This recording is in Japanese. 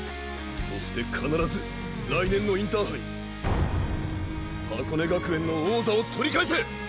そして必ず来年のインターハイ箱根学園の王座を獲り返せ！